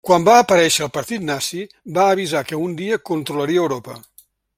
Quan va aparèixer el partit nazi, va avisar que un dia controlaria Europa.